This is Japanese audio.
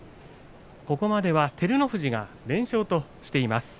ここまでは照ノ富士が連勝としています。